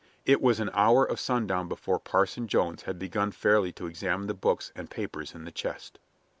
It was an hour of sundown before Parson Jones had begun fairly to examine the books and papers in the chest.